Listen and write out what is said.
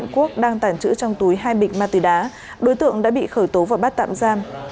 công an quốc đang tàn trữ trong túi hai bịch ma túy đá đối tượng đã bị khởi tố vào bắt tạm giam